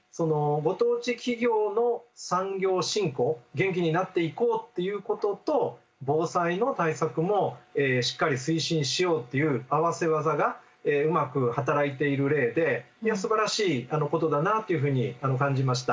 元気になっていこうっていうことと防災の対策もしっかり推進しようという合わせ技がうまく働いている例でいやすばらしいことだなというふうに感じました。